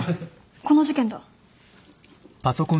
この事件だ。